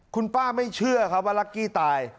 คุณป้าไม่เชื่อครับว่าลักกี้ตาย